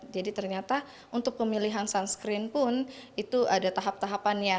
jadi ternyata untuk pemilihan sunscreen pun itu ada tahap tahapannya